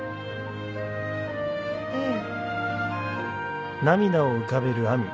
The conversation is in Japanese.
うん。